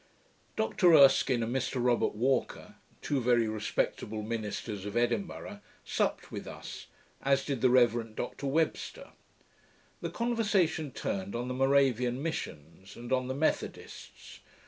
Dr Erskine and Mr Robert Walker, two very respectable ministers of Edinburgh, supped with us, as did the Reverend Dr Webster. The conversation turned on the Moravian missions, and on the Methodists.